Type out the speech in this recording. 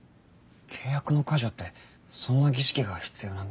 契約の解除ってそんな儀式が必要なんですね。